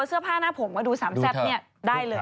เสื้อผ้านาผมกระดูต์สามแซบนี้ได้เลย